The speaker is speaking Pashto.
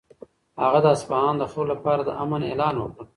هغه د اصفهان د خلکو لپاره د امن اعلان وکړ.